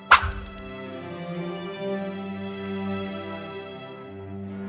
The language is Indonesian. apa kita pernah bertemu